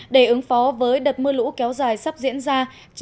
để ứng phó với đợt mưa lũ kéo dài sắp diễn ra